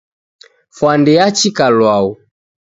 Fwandi yachika lwau